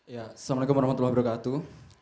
ya assalamualaikum warahmatullahi wabarakatuh